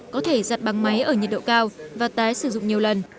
có thể giặt bằng máy ở nhiệt độ cao và tái sử dụng nhiều lần